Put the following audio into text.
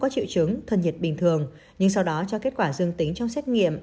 có triệu chứng thân nhiệt bình thường nhưng sau đó cho kết quả dương tính trong xét nghiệm